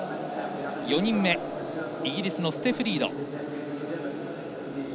４人目はイギリスのステフ・リード。